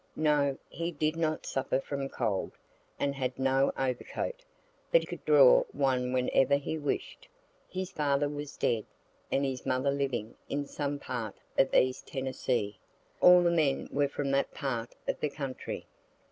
No, he did not suffer from cold, and had no overcoat, but could draw one whenever he wish'd. His father was dead, and his mother living in some part of East Tennessee; all the men were from that part of the country.